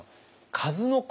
数の子。